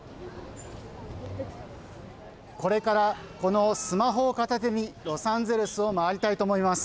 これから、スマホを片手にロサンゼルスを回りたいと思います。